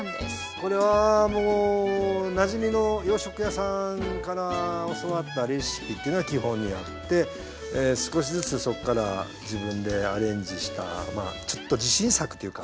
これはなじみの洋食屋さんから教わったレシピというのが基本にあって少しずつそこから自分でアレンジしたちょっと自信作っていうか。